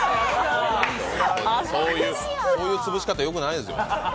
そういう潰し方よくないですよ。